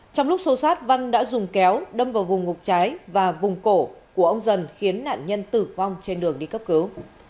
trong lúc xô sát văn đã dùng kéo đâm vào vùng ngực trái và vùng cổ của ông dần khiến nạn nhân tử vong trên đường đi cấp cứu